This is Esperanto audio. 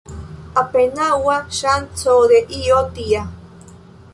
Apenaŭa ŝanco de io tia.